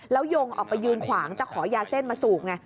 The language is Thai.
แล้วยงออกไปยืนขวางจะขอยาเส้นมาสูบไง